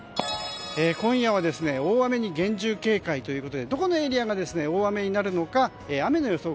今夜は大雨に厳重警戒でどこのエリアが大雨になるのか雨の予想